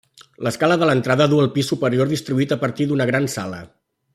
L'escala de l'entrada duu al pis superior distribuït a partir d'una gran sala.